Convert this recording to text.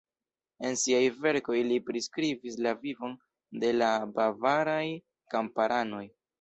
En siaj verkoj li priskribis la vivon de la bavaraj kamparanoj.